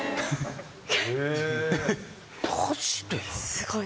すごい。